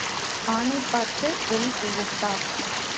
ஆனை பார்க்க வெள்வெழுத்தா?